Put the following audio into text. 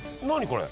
これ。